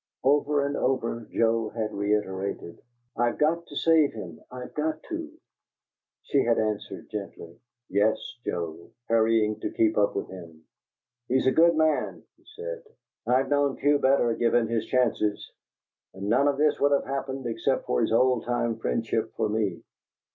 Over and over Joe had reiterated: "I've got to save him! I've got to!" She had answered gently, "Yes, Joe," hurrying to keep up with him. "He's a good man," he said. "I've known few better, given his chances. And none of this would have happened except for his old time friendship for me.